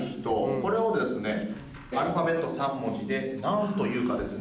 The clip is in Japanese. これをアルファベット３文字で何というかですね。